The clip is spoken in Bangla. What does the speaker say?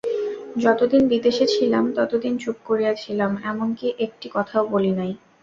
যতদিন বিদেশে ছিলাম, ততদিন চুপ করিয়াছিলাম, এমন কি একটি কথাও বলি নাই।